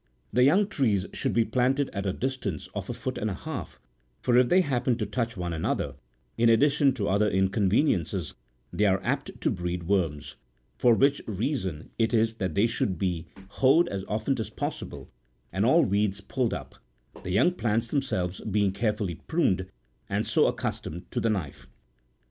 The young trees should be planted at distances41 of a foot and a half, for if they happen to touch one another, in addition to other inconveniences, they are apt to breed worms ; for which reason it is that they should be hoed as often as possible, and all weeds pulled up, the young plants themselves being carefully primed, and so accustomed to the knife.